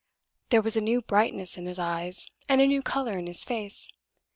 There was a new brightness in his eyes, and a new color in his face.